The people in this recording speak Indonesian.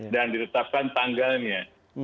dan diletakkan tanggalnya